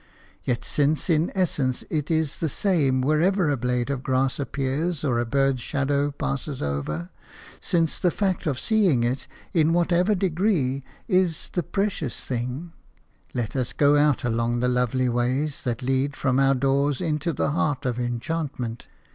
Yet, since in essence it is the same wherever a blade of grass appears or a bird's shadow passes over; since the fact of seeing it, in whatever degree, is the precious thing – let us go out along the lovely ways that lead from our doors into the heart of enchantment.